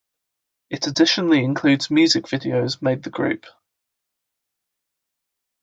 It additionally includes music videos made the group.